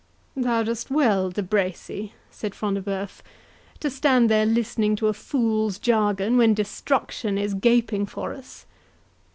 '" "Thou dost well, De Bracy," said Front de Bœuf, "to stand there listening to a fool's jargon, when destruction is gaping for us!